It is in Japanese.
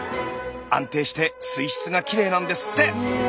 安定して水質がきれいなんですって！